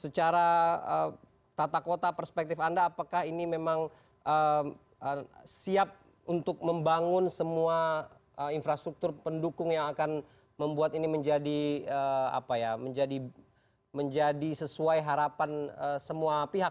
secara tata kota perspektif anda apakah ini memang siap untuk membangun semua infrastruktur pendukung yang akan membuat ini menjadi sesuai harapan semua pihak